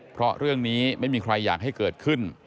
เพราะเรื่องนี้ไม่มีใครอยากให้เกิดขึ้น